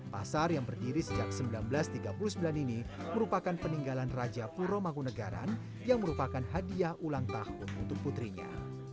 pasar yang berdiri sejak seribu sembilan ratus tiga puluh sembilan ini merupakan peninggalan raja puro mangkunagaran yang merupakan hadiah ulang tahun untuk putrinya